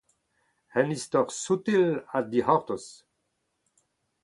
Un istor soutil ha dic'hortoz.